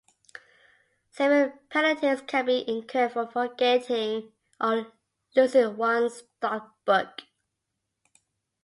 Severe penalties can be incurred for forgetting or losing one's dot book.